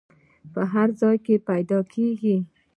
په هر ځای کې پیدا کیږي.